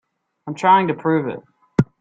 I'm trying to prove it.